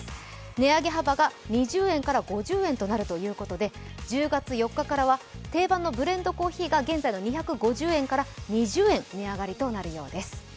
値上げ幅が２０円から５０円と鳴るということで１０月４日から定番のブレンドコーヒーが現在の２５０円から２０円値上がりとなるようです。